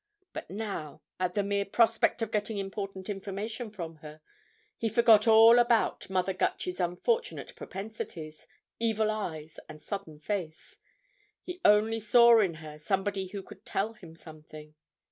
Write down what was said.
But now, at the mere prospect of getting important information from her, he forgot all about Mother Gutch's unfortunate propensities, evil eyes, and sodden face; he only saw in her somebody who could tell him something.